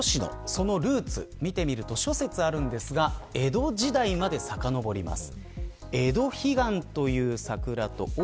そのルーツ、見てみると諸説あるんですが江戸時代まで、さかのぼります。